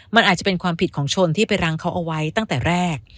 มันอาจจะเป็นความผิดของชนที่ไปรังเขาเอาไว้ตั้งแต่แรก